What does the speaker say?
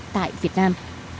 tại việt nam